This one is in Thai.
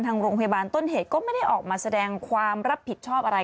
ทางโรงพยาบาลต้นเหตุก็ไม่ได้ออกมาแสดงความรับผิดชอบอะไร